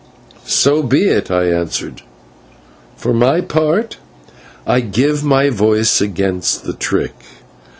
"So be it," I answered. "For my part I give my vote against the trick.